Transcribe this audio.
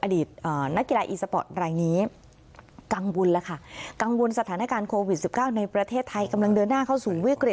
อดีตนักกีฬาอีสปอร์ตอะไรอย่างนี้